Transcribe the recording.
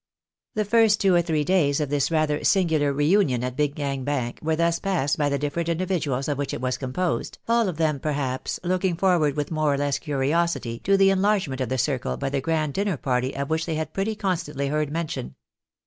The first two or three days of this rather singular reunion at Big Gang Bank were thus passed by the different individuals of which it was composed, all of them, perhaps, looking forward with more or less curiosity to the enlargement of the circle by the grand dinner party of which they had pretty constantly heard mention.